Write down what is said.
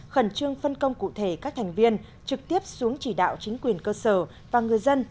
khẩn trương phân công cụ thể các thành viên trực tiếp xuống chỉ đạo chính quyền cơ sở và người dân